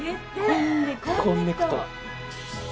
こんねくと。